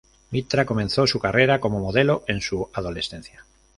Mitra comenzó su carrera como modelo en su adolescencia.